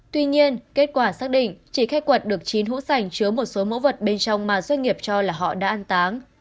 tuy nhiên kết quả xác định chỉ khách quật được chín hũ sành chứa một số mẫu vật bên trong mà doanh nghiệp cho là họ đã ăn táng